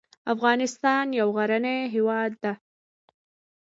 افغانستان یو غرنې هیواد ده